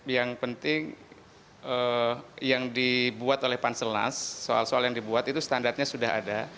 yang penting yang dibuat oleh panselnas soal soal yang dibuat itu standarnya sudah ada